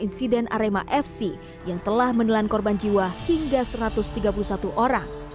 insiden arema fc yang telah menelan korban jiwa hingga satu ratus tiga puluh satu orang